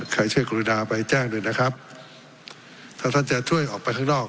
ใครช่วยกรุณาไปแจ้งด้วยนะครับถ้าท่านจะช่วยออกไปข้างนอก